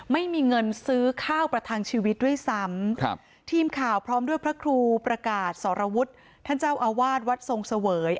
ไม่มีเงินซื้อข้าวประทังชีวิตด้วยซ้ำครับทีมข่าวพร้อมด้วยพระครูประกาศสรวุฒิท่านเจ้าอาวาสวัดทรงเสวย